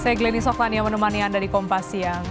saya glenny softan yang menemani anda di kompas siang